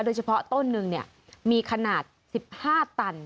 โดยเฉพาะต้นหนึ่งมีขนาด๑๕ตัน